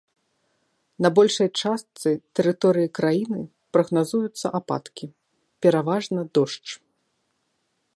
На большай частцы тэрыторыі краіны прагназуюцца ападкі, пераважна дождж.